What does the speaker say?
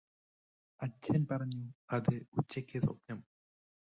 അച്ഛന് പറഞ്ഞു അത് ഉച്ചയ്ക് സ്വപ്നം